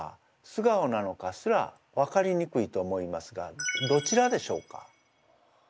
素顔なのかすらわかりにくいと思いますがどちらでしょうか？